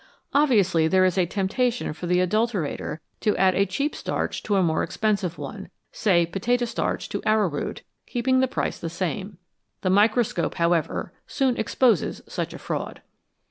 Obviously there is a temptation for the adulterator to add a cheap starch to a more expensive one, say potato starch to arrowroot, keeping the price the same. The microscope, however, soon exposes such a fraud.